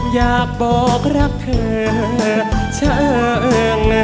อยากบอกรักเธอช่าง